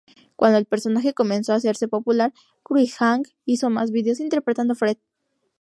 Cuando el personaje comenzó a hacerse popular, Cruikshank hizo más vídeos interpretando a Fred.